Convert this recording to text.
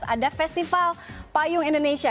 ada festival payung indonesia